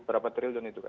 berapa triliun itu kan